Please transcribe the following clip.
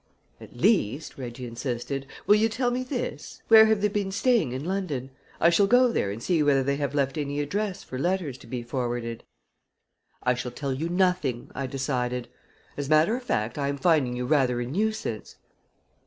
"At least," Reggie insisted, "will you tell me this: Where have they been staying in London? I shall go there and see whether they have left any address for letters to be forwarded." "I shall tell you nothing," I decided. "As a matter of fact I am finding you rather a nuisance."